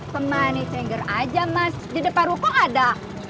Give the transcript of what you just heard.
pemani cengger aja mas di depan ruku ada